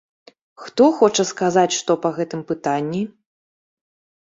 Хто хоча сказаць што па гэтым пытанні?